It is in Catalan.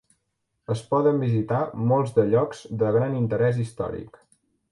Es poden visitar molts de llocs de gran interès històric.